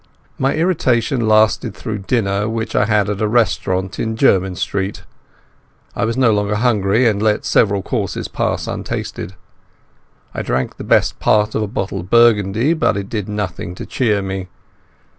My irritation lasted through dinner, which I had at a restaurant in Jermyn Street. I was no longer hungry, and let several courses pass untasted. I drank the best part of a bottle of Burgundy, but it did nothing to cheer me.